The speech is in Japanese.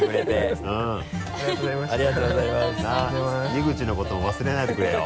湯口のことも忘れないでくれよ。